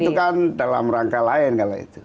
itu kan dalam rangka lain kalau itu